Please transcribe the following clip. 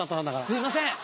すいません。